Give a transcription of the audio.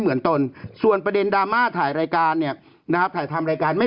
เอื้อไม่ขออนุญาตหรือไม่